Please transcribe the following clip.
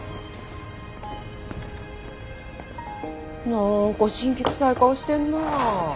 何か辛気くさい顔してんなあ。